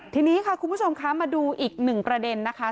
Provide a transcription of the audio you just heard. ทีนี้ค่ะคุณผู้ชมคะมาดูอีกหนึ่งประเด็นนะคะ